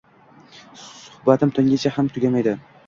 Suhbatim tonggacha ham tugamaydi.